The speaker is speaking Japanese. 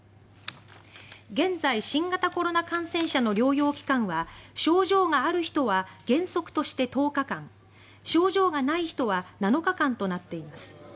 現在、新型コロナ感染者の療養期間は症状がある人は原則として１０日間症状がない人は７日間となっています。